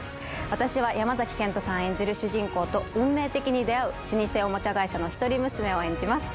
私は山賢人さん演じる主人公と運命的に出会う老舗おもちゃ会社の一人娘を演じます